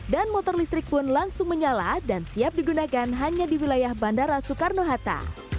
dan motor listrik pun langsung menyala dan siap digunakan hanya di wilayah bandara soekarno hatta